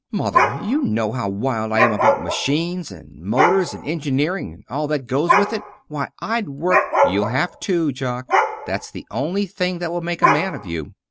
"Mother, you know how wild I am about machines, and motors, and engineering, and all that goes with it. Why I'd work " "You'll have to, Jock. That's the only thing that will make a man of you.